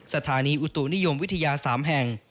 สถานีอุตุนิยมวิทยา๓แห่ง